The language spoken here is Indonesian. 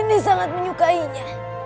nini sangat menyukainya